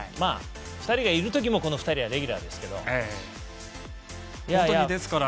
２人がいる時もこの２人はレギュラーですから。